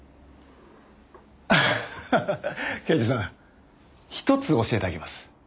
ハハハハ刑事さん１つ教えてあげます。